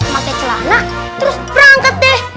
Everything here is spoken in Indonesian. pakai celana terus berangkat deh